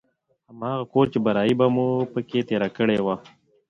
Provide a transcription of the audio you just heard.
هماغه کور چې برايي به مو په کښې تېره کړې وه.